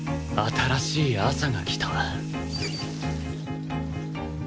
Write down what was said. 新しい朝がきた